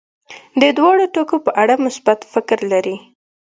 د دواړو ټکو په اړه مثبت فکر لري.